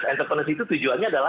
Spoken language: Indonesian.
entrepreneur itu tujuannya adalah